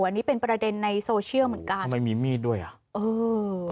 อันนี้เป็นประเด็นในโซเชียลเหมือนกันทำไมมีมีดด้วยอ่ะเออ